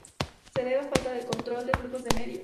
Se debe a la falta de control de flujos de medios.